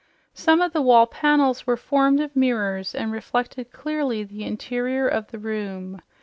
Some of the wall panels were formed of mirrors and reflected clearly the interior of the room.